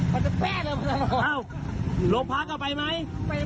ป่ะแป๊ะลงพักเราไปไหม